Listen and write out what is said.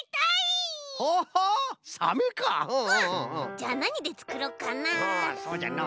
じゃあなにでつくろうかな。